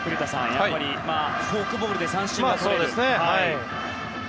やっぱりフォークボールで三振はとれる。